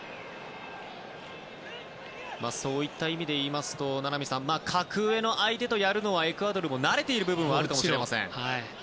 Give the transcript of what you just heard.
そういった意味でいいますと名波さん、格上の相手とやるのは、エクアドルも慣れている部分はあるかもしれません。